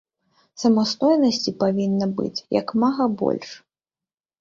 Самастойнасці павінна быць як мага больш.